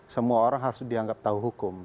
semua orang harus dianggap tahu hukum